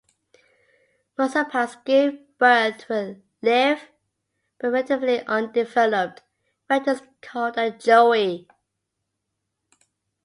Marsupials give birth to a live but relatively undeveloped fetus called a joey.